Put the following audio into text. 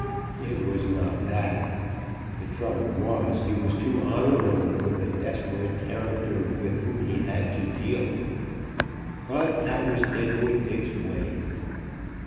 It was not that; the trouble was, he was too honorable with the desperate characters with whom he had to deal. But, that was Deadwood Dick's way.